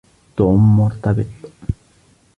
توم مرتبط.